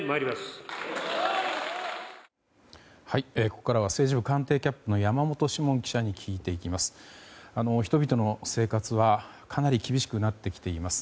ここからは政治部官邸キャップの山本志門記者に聞いていきます。